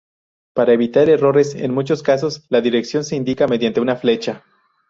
Para evitar errores, en muchos casos, la dirección se indica mediante una flecha.